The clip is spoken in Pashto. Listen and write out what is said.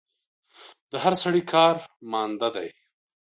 د هر سړي کار ماندۀ دی